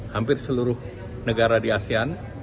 hampir seluruh negara di asean